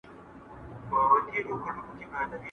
¬ نر يم، نه در وزم!